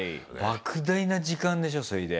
ばく大な時間でしょそいで。